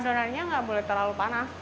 adonannya nggak boleh terlalu panas